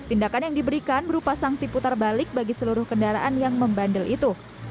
tindakan yang diberikan berupa sanksi putar balik bagi seluruh kendaraan yang membandel itu